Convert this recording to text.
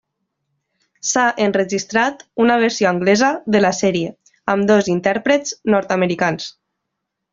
S'ha enregistrat una versió anglesa de la sèrie, amb dos intèrprets nord-americans.